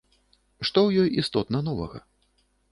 Што ў ёй істотна новага?